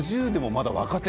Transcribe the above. まだ若手。